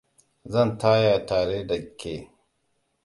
Zan taya tare da ke.